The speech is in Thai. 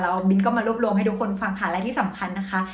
เอาบินก็มารวบรวมให้ทุกคนฟังค่ะและที่สำคัญนะคะ